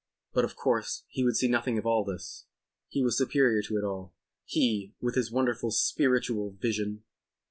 But of course he would see nothing of all this. He was superior to it all. He—with his wonderful "spiritual" vision!